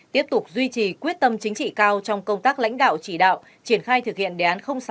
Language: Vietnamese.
tiếp tục duy trì quyết tâm chính trị cao trong công tác lãnh đạo chỉ đạo triển khai thực hiện đề án sáu